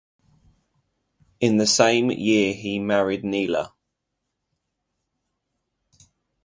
In the same year he married Neeley.